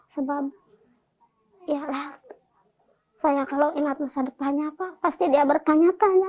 sebab ya lah saya kalau ingat masa depannya apa pasti dia bertanya tanya